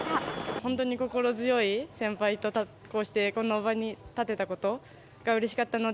本当に心強い先輩と、こうしてこの場に立てたことがうれしかったので。